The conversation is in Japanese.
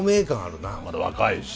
まだ若いし。